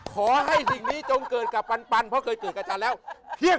ขอให้สิ่งนี้จงเกิดกับปันเพราะเคยเกิดกับฉันแล้วเพียบ